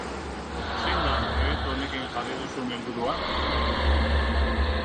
Zein da proiektu honekin jarri duzun helburua?